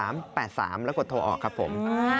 แล้วกดโทรออกครับผม